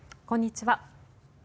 こんにちは。